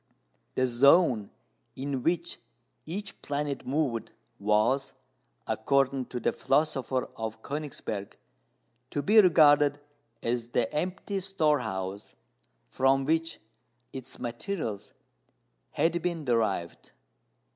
The zone in which each planet moved was, according to the philosopher of Königsberg, to be regarded as the empty storehouse from which its materials had been derived.